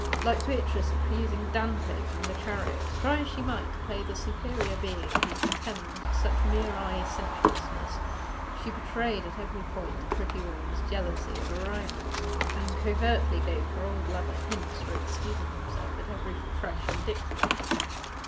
Like Beatrice accusing Dante from the chariot, try as she might to play the superior being who contemned such mere eye sensuousness, she betrayed at every point a pretty woman's jealousy of a rival, and covertly gave her old lover hints for excusing himself at each fresh indictment.